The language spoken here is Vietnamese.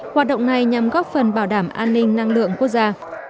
hoạt động này nhằm góp phần bảo đảm an ninh năng lượng quốc gia